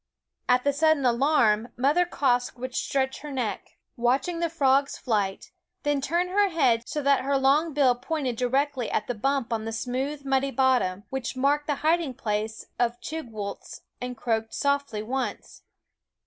At the sudden alarm Mother Quoskh would stretch her neck, 196 Quoskh Keen Eyed & SCHOOL Of watching the frog's flight; then turn her head so that her long bill pointed directly at the bump on the smooth muddy bottom, which marked the hiding place of Chig wooltz, and croak softly once.